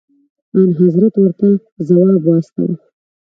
انحضرت ورته ځواب واستوه.